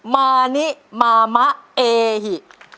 มานิมามะเอหิ